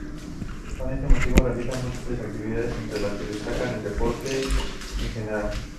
Con este motivo realizan múltiples actividades, entre las que destaca el deporte en general.